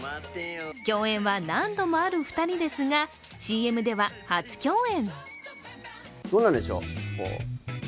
共演は何度もある２人ですが、ＣＭでは初共演。